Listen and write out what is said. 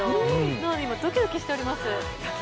なので、今ドキドキしております。